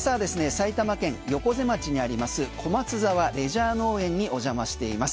埼玉県横瀬町にあります小松沢レジャー農園にお邪魔しています。